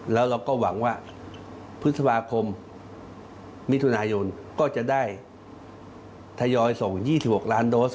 แล้วเราก็หวังว่าพฤษภาคมมิถุนายนก็จะได้ทยอยส่ง๒๖ล้านโดส